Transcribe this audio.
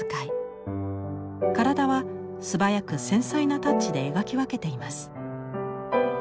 体は素早く繊細なタッチで描き分けています。